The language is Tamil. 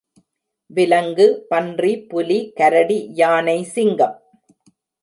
விலங்கு, பன்றி, புலி, கரடி, யானை, சிங்கம்.